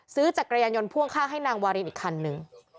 ซื้อจักรยายนท์ยนต์พ่วงคาให้นางวาลินอีกคันนึง